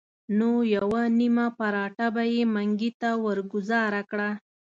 نو یوه نیمه پراټه به یې منګي ته ورګوزاره کړه.